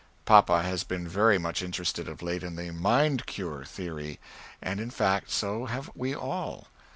Papa has been very much interested of late, in the "Mind Cure" theory. And in fact so have we all.